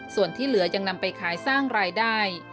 ส่วนที่เหลือยังนำไปขายสร้างรายได้